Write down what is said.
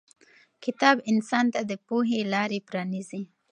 کتاب انسان ته د پوهې لارې پرانیزي.